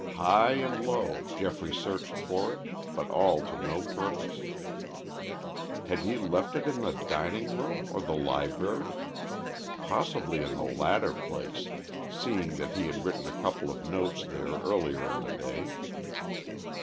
High and low Geoffrey searched for it, but all to no purpose. Had he left it in the dining room or the library? Possibly in the latter place, seeing that he had written a couple of notes there earlier in the day.